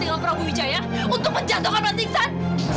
dengan prabu wijaya untuk menjatuhkan mas iksan